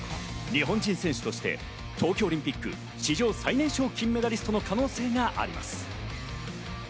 日本人選手として冬季オリンピック史上最年少金メダリストの可能性があります。